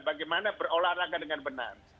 bagaimana berolahraga dengan benar